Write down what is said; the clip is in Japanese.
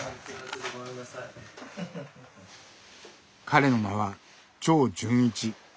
彼の名は長純一。